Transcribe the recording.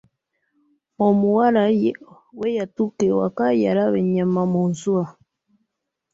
Omuwala we yatuuka ewaka, yalaba ennyama mu nsuwa.